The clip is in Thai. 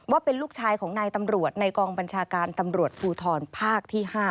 ว่าเป็นลูกชายของนายตำรวจในกองบัญชาการตำรวจภูทรภาคที่๕